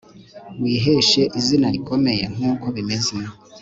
wiheshe izina rikomeye nk uko bimeze